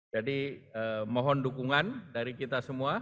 jadi mohon dukungan dari kita semua